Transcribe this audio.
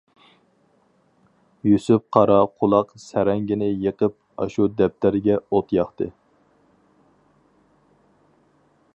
يۈسۈپ قارا قۇلاق سەرەڭگىنى يېقىپ، ئاشۇ دەپتەرگە ئوت ياقتى.